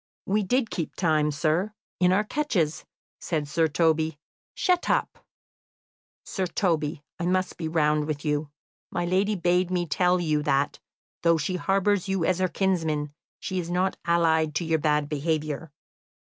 "We did keep time, sir, in our catches," said Sir Toby. "Shut up!" "Sir Toby, I must be round with you. My lady bade me tell you that, though she harbours you as her kinsman, she is not allied to your bad behaviour.